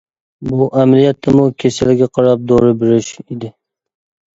بۇ ئەمەلىيەتتىمۇ «كېسەلگە قاراپ دورا بېرىش» ئىدى.